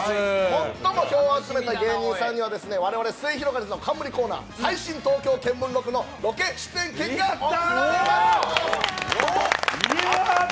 最も票を集めた芸人さんには我々すゑひろがりずの看板コーナー「最新東京見聞録」のロケ出演権が贈られます。